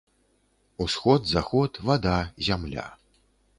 Усход, заход, вада, зямля.